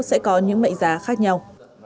sẽ có những mệnh giá khác nhau